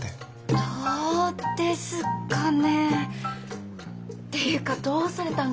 どうですかねていうかどうされたんですか？